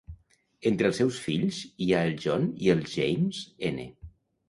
Entre els seus fills hi ha el John i el James N.